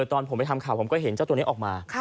ตอนผมไปทำข่าวผมก็เห็นเจ้าตัวนี้ออกมา